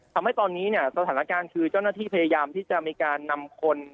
ทำให้ตอนนี้เนี่ยสถานการณ์คือเจ้าหน้าที่พยายามที่จะมีการนำคน